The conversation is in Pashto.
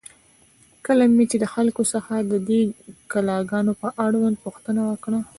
کله مې چې د خلکو څخه د دې کلا گانو په اړوند پوښتنه وکړه،